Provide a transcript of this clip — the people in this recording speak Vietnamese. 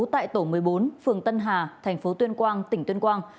tại tổ một mươi bốn phường tân hà thành phố tuyên quang tỉnh tuyên quang